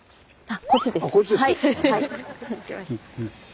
あこっちですか。